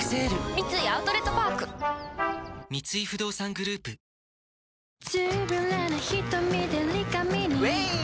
三井アウトレットパーク三井不動産グループ今夜１０時前。